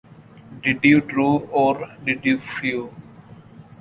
Did you drove or did you flew?